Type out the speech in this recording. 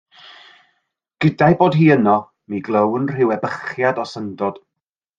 Gyda'i bod hi yno, mi glywn rhyw ebychiad o syndod.